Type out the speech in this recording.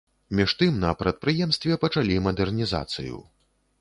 Між тым на прадпрыемстве пачалі мадэрнізацыю.